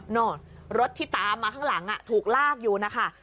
รถที่ตามมาข้างหลังถูกลากอยู่นะคะ